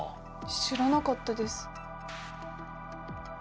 知らなかったです。